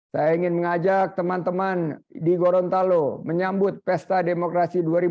saya ingin mengajak teman teman di gorontalo menyambut pesta demokrasi dua ribu dua puluh